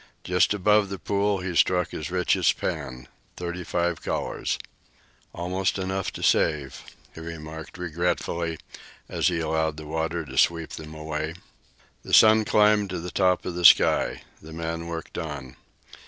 Just above the pool he struck his richest pan thirty five colors. "Almost enough to save," he remarked regretfully as he allowed the water to sweep them away. The sun climbed to the top of the sky. The man worked on.